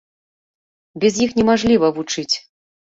Без іх немажліва вучыць.